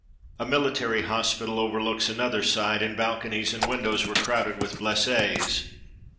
A military hospital overlooks another side, and balconies and windows were crowded with "blessés."